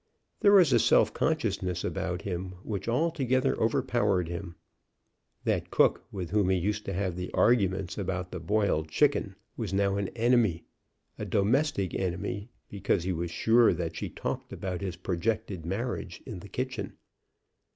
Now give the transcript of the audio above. There was a self consciousness about him which altogether overpowered him. That cook with whom he used to have the arguments about the boiled chicken was now an enemy, a domestic enemy, because he was sure that she talked about his projected marriage in the kitchen.